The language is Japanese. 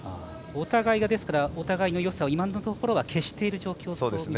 お互いがお互いのよさを今のところ消している状況と。